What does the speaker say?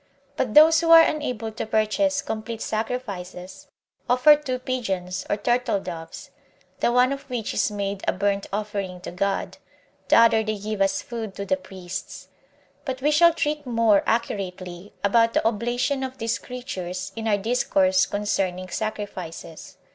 But those who are unable to purchase complete sacrifices, offer two pigeons, or turtle doves; the one of which is made a burnt offering to God, the other they give as food to the priests. But we shall treat more accurately about the oblation of these creatures in our discourse concerning sacrifices.